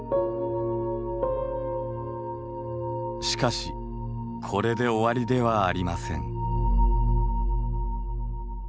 しかしこれで終わりではありません。